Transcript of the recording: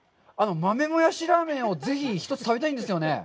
豆もやしラーメンをぜひ一つ、食べたいんですよね。